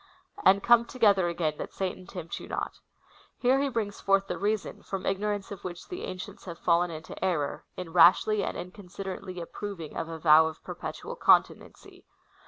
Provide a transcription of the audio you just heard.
And come together again, that Satan tempt you not. Here he brings forward the reason, from ignorance of which the ancients have fallen into error, in rashly and inconsiderately apjDroving of a vow of perpetual continency.